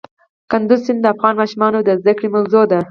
کندز سیند د افغان ماشومانو د زده کړې موضوع ده.